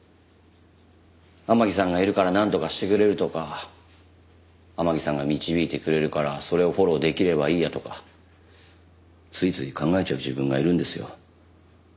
天樹さんがいるからなんとかしてくれるとか天樹さんが導いてくれるからそれをフォローできればいいやとかついつい考えちゃう自分がいるんですよ。